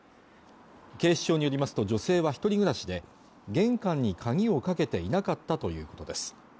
警視庁によりますと女性は一人暮らしで玄関に鍵をかけていなかったということです